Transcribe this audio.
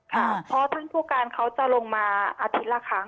เพราะท่านผู้การเขาจะลงมาอาทิตย์ละครั้ง